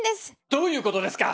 どういうことですか